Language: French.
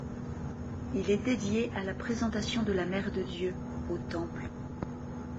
Il est dédié à la Présentation de la Mère de Dieu au Temple.